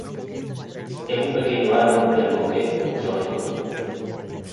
Es un pequeño árbol del bosque monzónico.